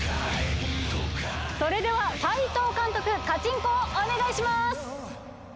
それでは斉藤監督カチンコをお願いします。